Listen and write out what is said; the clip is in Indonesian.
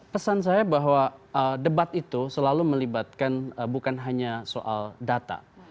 pesan saya bahwa debat itu selalu melibatkan bukan hanya soal data